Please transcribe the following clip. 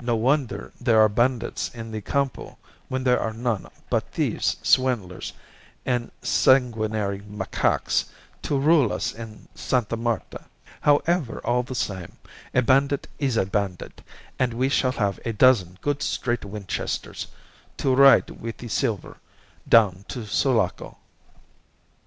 No wonder there are bandits in the Campo when there are none but thieves, swindlers, and sanguinary macaques to rule us in Sta. Marta. However, all the same, a bandit is a bandit, and we shall have a dozen good straight Winchesters to ride with the silver down to Sulaco."